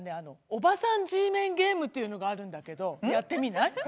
おばさんＧメンゲームっていうのがあるんだけどやってみない？